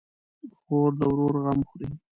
خور د ورور غم خوري.